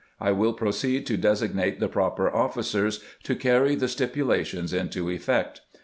I will proceed to designate the proper officers to carry the stipu lations into effect.